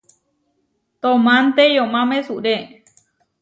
Toomanté yomá mesúre.